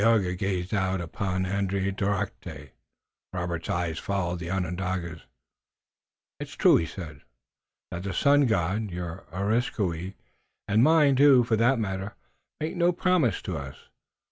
Tayoga gazed out upon Andiatarocte. Robert's eyes followed the Onondaga's. "It's true," he said, "that the Sun God, your Areskoui, and mine, too, for that matter, makes no promise to us.